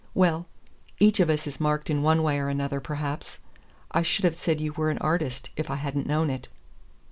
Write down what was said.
"Well, each of us is marked in one way or another, perhaps. I should have said you were an artist, if I hadn't known it."